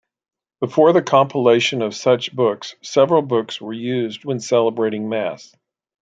Before the compilation of such books, several books were used when celebrating Mass.